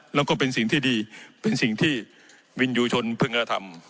แล้วก็เป็นสิ่งที่ดีเป็นสิ่งที่วินยูชนพึงกระทำ